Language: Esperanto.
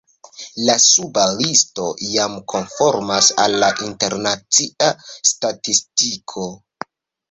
La suba listo jam konformas al la internacia statistiko.